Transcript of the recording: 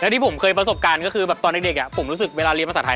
ที่ผมเคยประสบการณ์ก็คือแบบตอนเด็กผมรู้สึกเวลาเรียนภาษาไทย